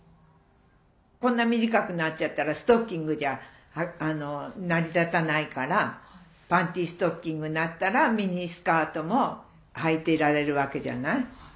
こんな短くなっちゃったらストッキングじゃ成り立たないからパンティストッキングになったらミニスカートもはいてられるわけじゃない？